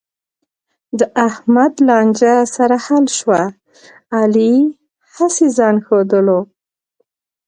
د احمد لانجه سره حل شوه، علي هسې ځآن ښودلو.